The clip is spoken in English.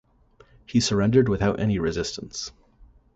He surrendered without any resistance.